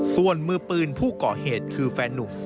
ส่วนมือปืนผู้ก่อเหตุคือแฟนนุ่ม